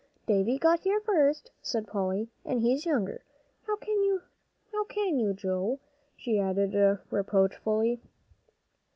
"Davie got here first," said Polly, "and he's younger. How can you, Joe?" she added reproachfully.